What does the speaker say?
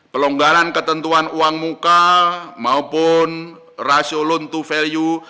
pelonggaran ketentuan uang muka maupun rasiolone to value